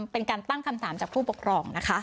เป็นการตั้งคำถามจากผู้ปกครองนะคะ